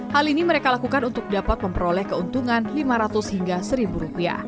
hal ini mereka lakukan untuk dapat memperoleh keuntungan rp lima ratus hingga rp satu